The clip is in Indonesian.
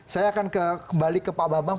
saya akan kembali ke pak bambang